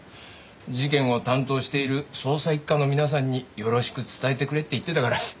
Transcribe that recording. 「事件を担当している捜査一課の皆さんによろしく伝えてくれ」って言ってたから。